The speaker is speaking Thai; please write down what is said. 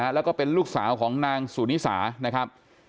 แล้วก็เป็นลูกสาวของนางสุนิสานะครับ